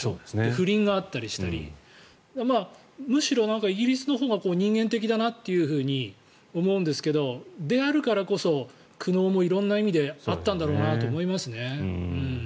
不倫があったりしたりむしろ、イギリスのほうが人間的だなと思うんですけどであるからこそ苦悩も色んな意味であったんだろうなと思いますね。